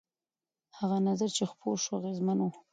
هغه نظر چې خپور شو اغېزمن و.